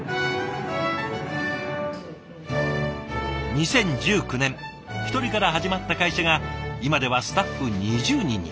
２０１９年１人から始まった会社が今ではスタッフ２０人に。